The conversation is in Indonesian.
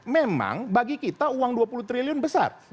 memang bagi kita uang dua puluh triliun besar